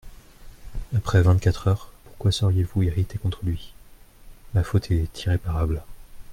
»Après vingt-quatre heures, pourquoi seriez-vous irrité contre lui ? Ma faute est irréparable.